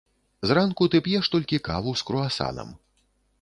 Зранку ты п'еш толькі каву з круасанам.